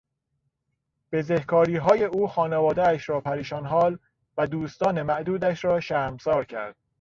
بزهکاریهای او خانوادهاش را پریشان حال و دوستان معدودش را شرمسار کرد.